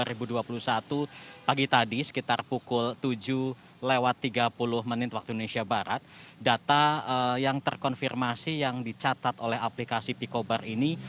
pagi tadi sekitar pukul tujuh lewat tiga puluh menit waktu indonesia barat data yang terkonfirmasi yang dicatat oleh aplikasi pikobar ini